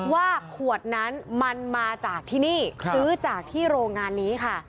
ว่าขวดนั้นมันมาจากที่นี่ซื้อจากที่โรงงานนี้ค่ะ